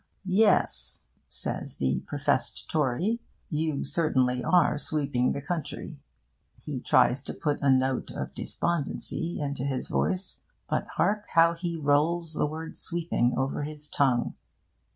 'Yes,' says the professed Tory, 'you certainly are sweeping the country.' He tries to put a note of despondency into his voice; but hark how he rolls the word 'sweeping' over his tongue!